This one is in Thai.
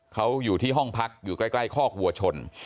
เขาอยู่ที่ห้องพักอยู่ใกล้คอกวัวชน